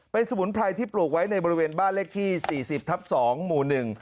เป็นสมุนไพรที่ปลูกไว้ในบริเวณบ้านเลขที่๔๐ทับ๒หมู่๑